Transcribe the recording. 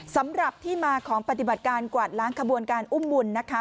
สำหรับที่มาของปฏิบัติการกวาดล้างขบวนการอุ้มบุญนะคะ